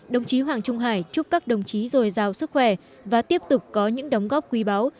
đồng chí hoàng trung hải chúc các đồng chí dồi dào sức khỏe và tiếp tục có những đóng góp quý báo